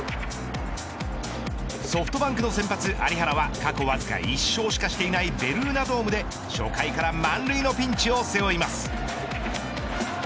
ソフトバンクの先発、有原は過去わずか１勝しかしていないベルーナドームで初回から満塁のピンチを背負います。